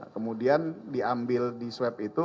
kemudian diambil disweb itu